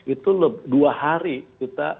itu dua hari kita